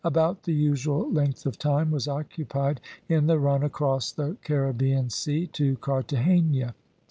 About the usual length of time was occupied in the run across the Caribbean Sea to Carthagena.